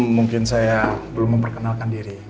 mungkin saya belum memperkenalkan diri